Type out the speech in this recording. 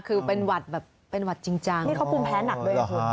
คือเป็นหวัดแบบเป็นหวัดจริงจังนี่เขาภูมิแพ้หนักด้วยนะคุณ